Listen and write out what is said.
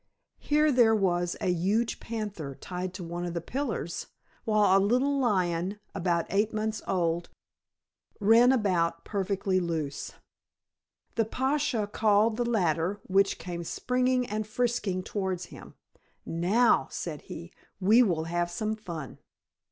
Here there was a huge panther tied to one of the pillars, while a little lion, about eight months old, ran about perfectly loose. The pacha called the latter, which came springing and frisking towards him. "Now," said he, "we will have some fun."